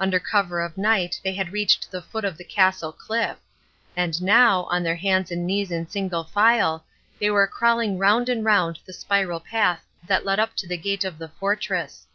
Under cover of night they had reached the foot of the castle cliff; and now, on their hands and knees in single file, they were crawling round and round the spiral path that led up to the gate of the fortress.